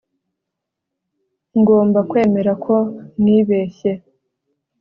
Ngomba kwemera ko nibeshye